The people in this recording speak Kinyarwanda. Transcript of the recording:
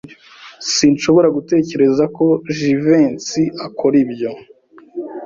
Sinshobora gutekereza ko Jivency akora ibyo.